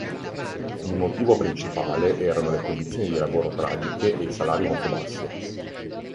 Il motivo principale erano le condizioni di lavoro tragiche e i salari molto bassi.